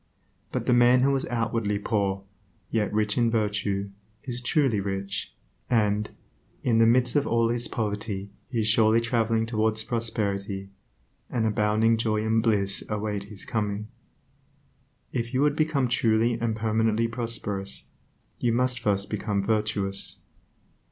But the man who is outwardly poor, yet rich in virtue, is truly rich, and, in the midst of all his poverty he is surely traveling towards prosperity; and abounding joy and bliss await his coming. If you would become truly and permanently prosperous, you must first become virtuous.